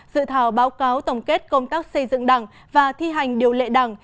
dự thảo báo cáo tổng kết công tác xây dựng đảng và thi hành điều lệ đảng